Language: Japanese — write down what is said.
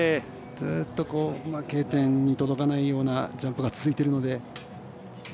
ずーっとＫ点に届かないようなジャンプが続いてるので。